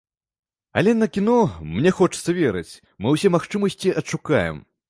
Але на кіно, мне хочацца верыць, мы ўсе магчымасці адшукаем.